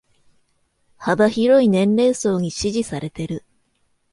幅広い年齢層に支持されてる